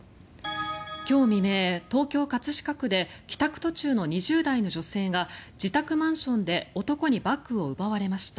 今日未明、東京・葛飾区で帰宅途中の２０代の女性が自宅マンションで男にバッグを奪われました。